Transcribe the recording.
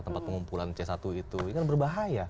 tempat pengumpulan c satu itu ini kan berbahaya